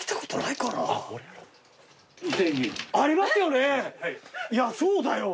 いやそうだよ